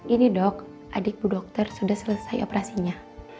ini dok adik bu dokter sudah selesai operasinya